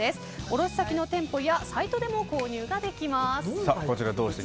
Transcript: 卸先の店舗やサイトでも購入ができます。